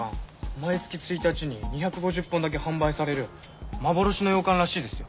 毎月１日に２５０本だけ販売される幻のようかんらしいですよ。